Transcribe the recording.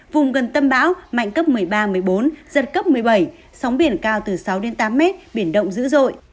vùng gần tầm bão mạnh cấp một mươi ba một mươi bốn giật cấp một mươi bảy sóng biển cao từ sáu tám m biển động dữ dội